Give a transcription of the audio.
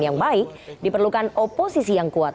yang baik diperlukan oposisi yang kuat